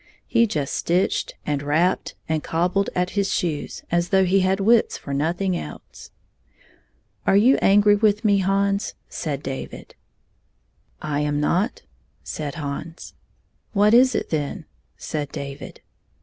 He just stitched and rapped and cobbled at his shoes as though he had wits for nothing else. "Are you angry with me, Hansi" said David. 3» 4t "I am not," said Hans. "What is it, then?" said David.